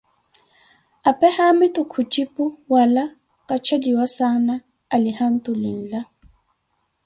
apee haamitu khujipu: wala kacheliwa saana alihamtulillah.